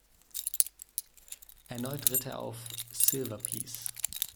Erneut ritt er auf "Silver Piece".